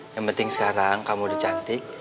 yang penting sekarang kamu udah cantik